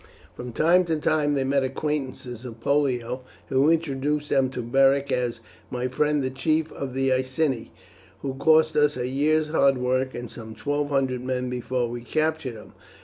From time to time they met acquaintances of Pollio, who introduced them to Beric as "my friend the chief of the Iceni, who cost us a year's hard work and some twelve hundred men before we captured him.